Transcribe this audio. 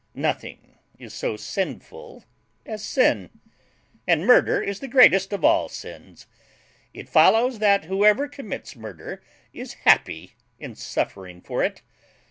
Nothing is so sinful as sin, and murder is the greatest of all sins. It follows, that whoever commits murder is happy in suffering for it.